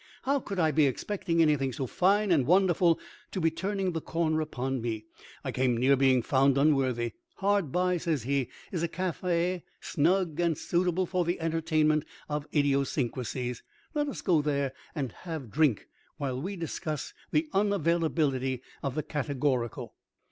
"How could I be expecting anything so fine and wonderful to be turning the corner upon me? I came near being found unworthy. Hard by," says he, "is a café, snug and suitable for the entertainment of idiosyncrasies. Let us go there and have drink while we discuss the unavailability of the categorical."